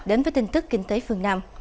đến với tin tức kinh tế phương nam